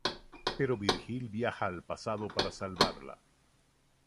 Pero Virgil viaja al pasado para salvarla.